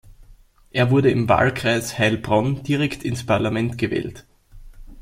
Er wurde im Wahlkreis Heilbronn direkt ins Parlament gewählt.